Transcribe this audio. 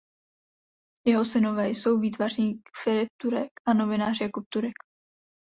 Jeho synové jsou výtvarník Filip Turek a novinář Jakub Turek.